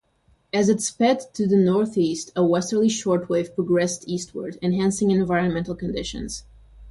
As it sped to the northeast, a westerly shortwave progressed eastward, enhancing environmental conditions.